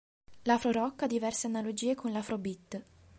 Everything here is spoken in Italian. L′afro-rock ha diverse analogie con l′afrobeat.